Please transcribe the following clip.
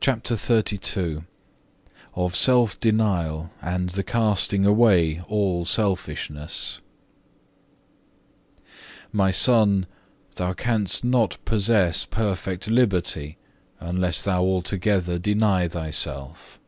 CHAPTER XXXII Of self denial and the casting away all selfishness "My Son, thou canst not possess perfect liberty unless thou altogether deny thyself.